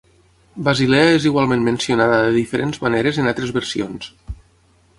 Basilea és igualment mencionada de diferents maneres en altres versions.